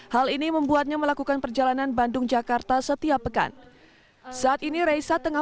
hal ini membuatnya melakukan perjalanan bandung jakarta setiap pekan saat ini reisa tengah